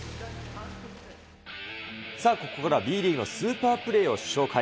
ここからはＢリーグのスーパープレーを紹介。